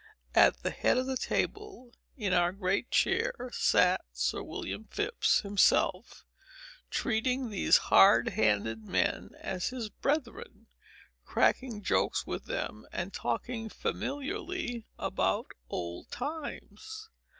At the head of the table, in our great chair, sat Sir William Phips himself, treating these hard handed men as his brethren, cracking jokes with them, and talking familiarly about old times.